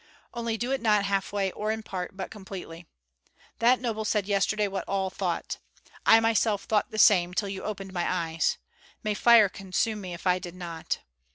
Only do it not half way nor in part, but completely. That noble said yesterday what all thought. I myself thought the same till you opened my eyes, may fire consume me, if I did not!